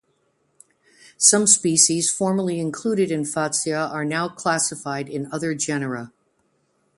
Some species formerly included in "Fatsia" are now classified in other genera.